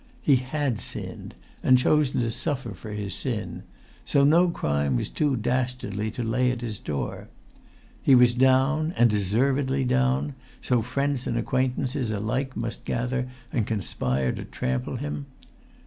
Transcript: He had sinned, and chosen to suffer for his sin: so no crime was too dastardly to lay at his door. He was down, and deservedly down, so friends and acquaintances alike must gather and conspire to trample him.